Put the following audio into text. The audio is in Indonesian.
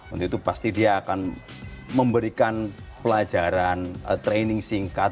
untuk itu pasti dia akan memberikan pelajaran training singkat